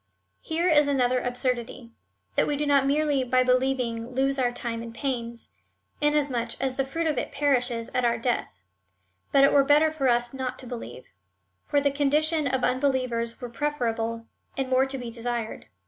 Here is another absurdity — that we do not merely by believing lose our time and pains, in asmuch as the fruit of it perishes at our death, but it were better for us not to believe ; for the condition of unbelievers were preferable, and more to be desired.